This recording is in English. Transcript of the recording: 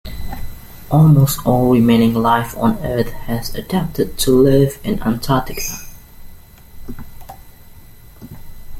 Almost all remaining life on Earth has adapted to live in Antarctica.